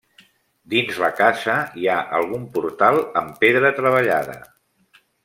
Dins la casa hi ha algun portal amb pedra treballada.